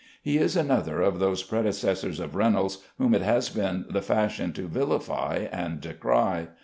He is another of those predecessors of Reynolds whom it has been the fashion to villify and decry.